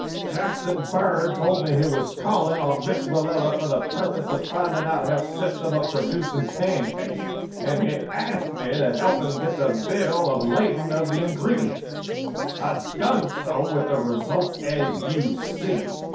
Jackson Bird told me he was calling on Miss Willella for the purpose of finding out her system of producing pancakes, and he asked me to help him get the bill of lading of the ingredients. I done so, with the results as you see.